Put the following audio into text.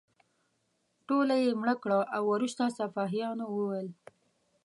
ټوله یې مړه کړه او وروسته سپاهیانو وویل.